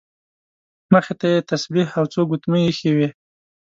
مخې ته یې تسبیح او څو ګوتمۍ ایښې وې.